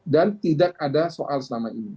dan tidak ada soal selama ini